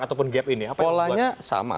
ataupun gap ini polanya sama